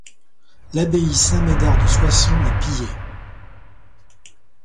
L’abbaye Saint-Médard de Soissons est pillée.